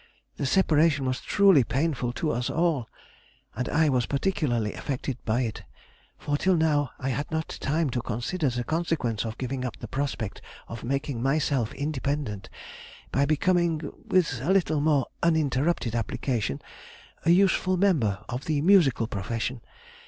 The separation was truly painful to us all, and I was particularly affected by it, for till now I had not had time to consider the consequence of giving up the prospect of making myself independent by becoming (with a little more uninterrupted application) a useful member of the musical profession.